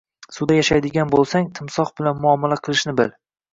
Suvda yashaydigan boʻlsang, timsoh bilan muomala qilishni bil